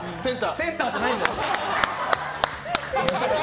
センターじゃないよ。